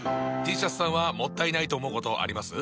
Ｔシャツさんはもったいないと思うことあります？